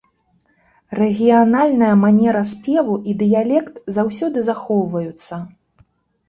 Рэгіянальная манера спеву і дыялект заўсёды захоўваюцца.